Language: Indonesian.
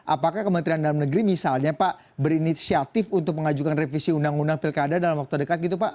apakah kementerian dalam negeri misalnya pak berinisiatif untuk mengajukan revisi undang undang pilkada dalam waktu dekat gitu pak